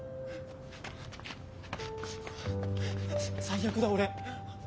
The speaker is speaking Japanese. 最悪だ俺。